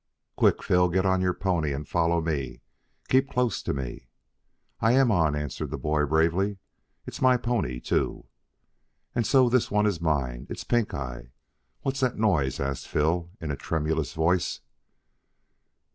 "Quick, Phil! Get on your pony and follow me. Keep close to me." "I am on," answered the boy bravely. "It's my pony, too." "And so is this one mine. It's Pink eye." "What's that noise!" asked Phil in a tremulous voice.